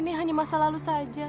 nah hanya ng qualifying sendiri juga